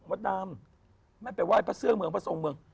ดำไม่ไปไหว้พระเสื้อเมืองพระทรงเมือง